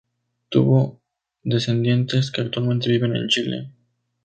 Tuvo descendientes que actualmente viven en Chile.